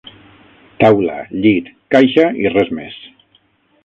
Taula, llit, caixa i res més